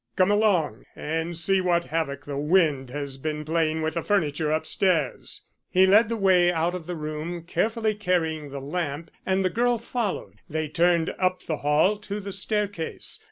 "Come along, and see what havoc the wind has been playing with the furniture upstairs." He led the way out of the room, carefully carrying the lamp, and the girl followed. They turned up the hall to the staircase.